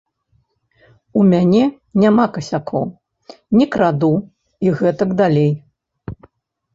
У мяне няма касякоў, не краду і гэтак далей.